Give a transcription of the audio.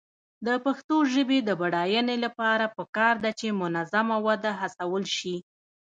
د پښتو ژبې د بډاینې لپاره پکار ده چې منظمه وده هڅول شي.